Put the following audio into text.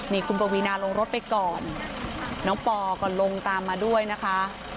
นี่คุณปวีนาลงรถไปก่อนน้องปอก็ลงตามมาด้วยนะคะ